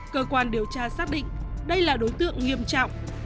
cơ quan điều tra xác định đây là đối tượng nghiêm trọng